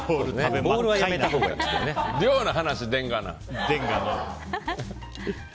量の話でんがな。